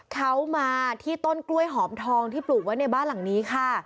เขามาที่ต้นกล้วยหอมทองที่ปลูกไว้ในบ้านหลังนี้ค่ะ